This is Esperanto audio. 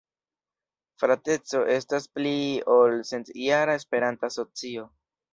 Frateco estas pli ol centjara esperanta asocio.